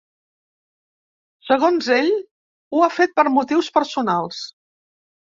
Segons ell, ho ha fet per motius personals.